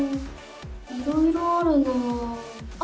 いろいろあるなあ。